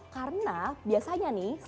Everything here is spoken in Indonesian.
karena biasanya nih